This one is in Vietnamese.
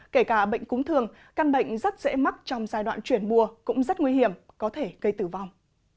kể cả bệnh cúng thường căn bệnh rất dễ mắc trong giai đoạn chuyển mùa cũng rất nguy hiểm có thể gây tử vong